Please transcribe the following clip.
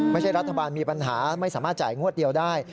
รัฐบาลมีปัญหาไม่สามารถจ่ายงวดเดียวได้